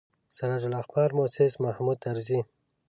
سراج الاخبار موسس محمود طرزي.